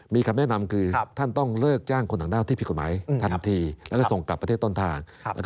มีคำแนะนำคือท่านต้องเลิกจ้างคนต่างด้าวที่ผิดกฎหมายทันทีแล้วก็ส่งกลับประเทศต้นทาง